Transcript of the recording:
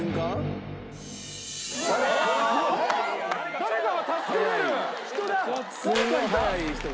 「誰かが助けてる！」